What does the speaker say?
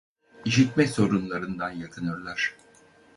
İşitme sorunlarından yakınırlar.